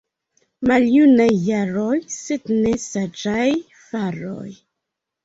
Maljunaj jaroj, sed ne saĝaj faroj.